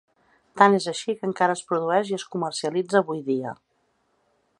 Tant és així que encara es produeix i es comercialitza avui dia.